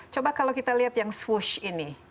coba kalau kita lihat yang swish ini